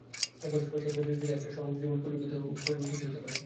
একবার স্পর্শে, একবার দৃষ্টিতে একটা সমগ্র জীবন পরিবর্তিত হইতে পারে।